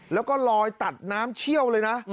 แล้วก็ลอยตัดน้ำเชี่ยวเลยนะ